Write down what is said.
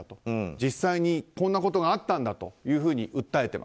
実際に、こんなことがあったんだと訴えています。